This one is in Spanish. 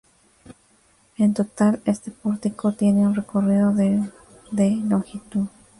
En total, este pórtico tiene un recorrido de de longitud.